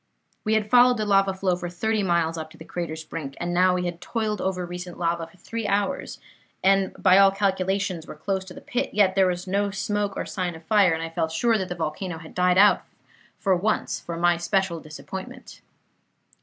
"We had followed the lava flow for thirty miles up to the crater's brink, and now we had toiled over recent lava for three hours, and, by all calculations, were close to the pit; yet there was no smoke or sign of fire, and I felt sure that the volcano had died out for once for my special disappointment.